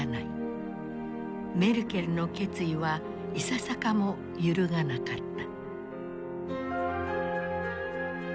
メルケルの決意はいささかも揺るがなかった。